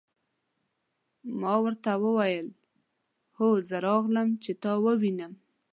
ما ورته وویل: هو زه راغلم، چې ته ووینم.